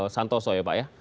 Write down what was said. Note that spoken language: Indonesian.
santoso ya pak ya